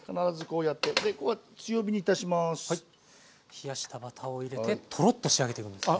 冷やしたバターを入れてとろっと仕上げていくんですね。